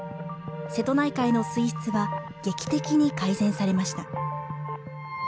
瀬戸内海の水質は劇的に改善されました。